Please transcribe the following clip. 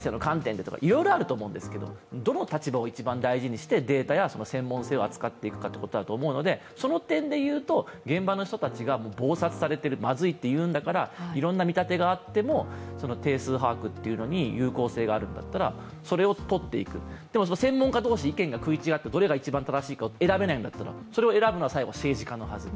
もちろんそれに対して研究的にはとか、公衆衛生の観点でとか、いろいろあると思うんですけど、どの立場を一番大事にしてデータや専門性を扱っていくかということだと思うのでその点で言うと、現場の人たちが忙殺されてまずいというんだからいろんな見立てがあっても、定数把握というのに有効性があるならそれをとっていく、でも、専門家同士意見が食い違ってどれが一番正しいか選べないんだったら、それを選ぶのは最後、政治家のはず